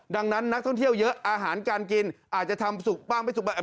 ดังนั้นนักท่องเที่ยวเยอะอาหารการกินอาจจะทำสุกบ้างไม่สุกบ้าง